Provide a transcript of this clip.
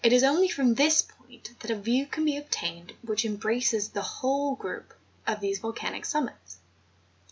is only from tliis point that a view can be obtained which embraces the whole group of these volcanic summits.